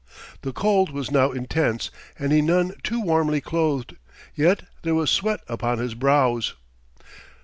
The cold was now intense, and he none too warmly clothed; yet there was sweat upon his brows.